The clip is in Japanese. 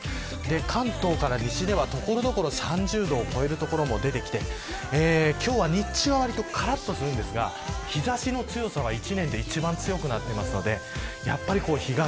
関東から西では所々３０度を超える所も出てきて今日は、日中割とからっとするんですが日差しの強さは１年で一番強くなっていますのでやっぱり日傘。